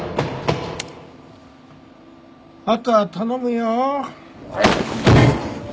あとは頼むよ。